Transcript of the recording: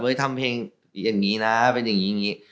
ทำเพลงอย่างนี้นะเป็นอย่างนี้อย่างนี้